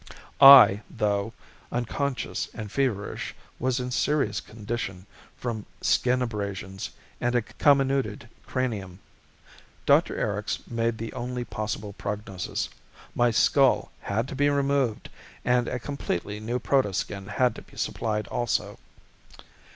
I, though, unconscious and feverish, was in serious condition from skin abrasions and a comminuted cranium. Dr. Erics made the only possible prognosis. My skull had to be removed and a completely new protoskin had to be supplied also.